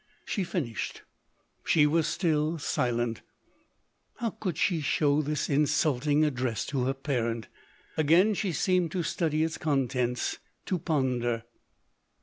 She finished — she was still silent;— how could she show this insulting address to her parent? Again she seemed to study its contents — to ponder.